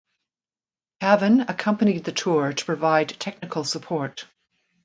Cavin accompanied the tour to provide technical support.